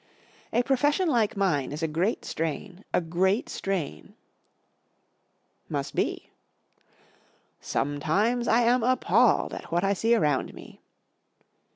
44 A profession like mine is a great strain, a great strain.' 4 Must be." " Sometimes I am appalled at what I see around me.